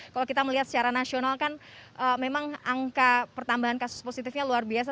kalau kita melihat secara nasional kan memang angka pertambahan kasus positifnya luar biasa